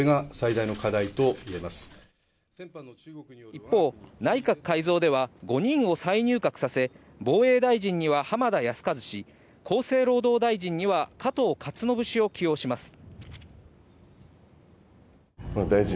一方、内閣改造では５人を再入閣させ、防衛大臣には浜田靖一氏、厚生労働大臣には加藤勝信氏を起用します。